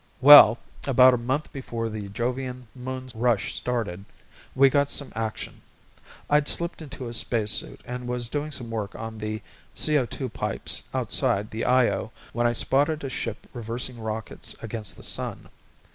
Well, about a month before the Jovian Moons rush started we got some action. I'd slipped into a spacesuit and was doing some work on the CO pipes outside the Io when I spotted a ship reversing rockets against the sun.